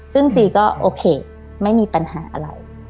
ซึ่งจีก็โอเคไม่มีปัญหาอะไร